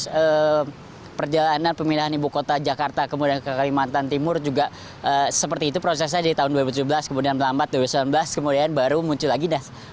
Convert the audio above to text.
terus perjalanan pemindahan ibu kota jakarta kemudian ke kalimantan timur juga seperti itu prosesnya di tahun dua ribu tujuh belas kemudian melambat dua ribu sembilan belas kemudian baru muncul lagi